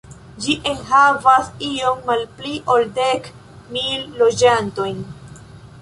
Ĝi enhavas iom malpli ol dek mil loĝantojn.